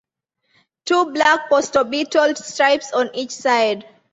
Two black postorbital stripes on each side.